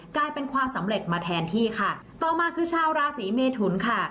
กลายเป็นความสำเร็จมาแทนที่ค่ะต่อมาคือชาวราศีเมทุนค่ะ